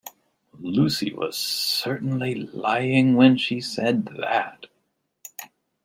Lucy was certainly lying when she said that.